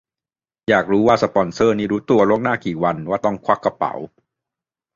อยากรู้ว่าสปอนเซอร์นี่รู้ตัวล่วงหน้ากี่วันว่าต้องควักกระเป๋า